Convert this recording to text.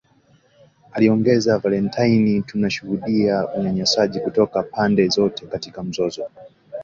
aliongeza Valentine ,Tunashuhudia unyanyasaji kutoka pande zote katika mzozo